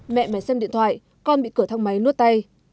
mẹ mẹ xem điện thoại con bị cửa thang máy nuốt tay